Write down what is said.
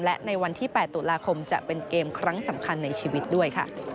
และในวันที่๘ตุลาคมจะเป็นเกมครั้งสำคัญในชีวิตด้วยค่ะ